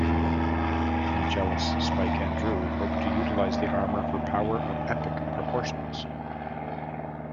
Angelus, Spike and Dru hope to utilise the armour for power of epic proportions.